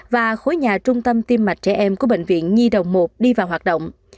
và khối nhà trung tâm tiêm mạch trẻ em của bệnh viện nhi đồng một đi vào hoạt động